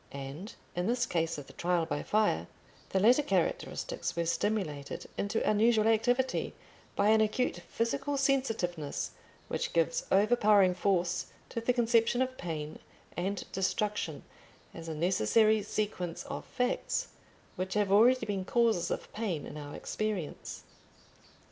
And in this case of the Trial by Fire, the latter characteristics were stimulated into unusual activity by an acute physical sensitiveness which gives overpowering force to the conception of pain and destruction as a necessary sequence of facts which have already been causes of pain in our experience.